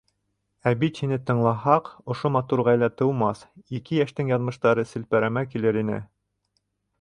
Ә бит һине тыңлаһаҡ, ошо матур ғаилә тыумаҫ, ике йәштең яҙмыштары селпәрәмә килер ине!